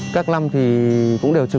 các năm thì cũng đều trực